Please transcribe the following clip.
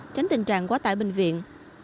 tránh tình trạng quá tải bệnh viện